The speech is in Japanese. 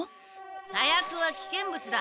火薬は危険物だ。